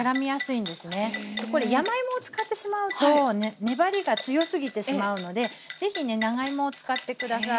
これ山芋を使ってしまうと粘りが強すぎてしまうのでぜひね長芋を使って下さい。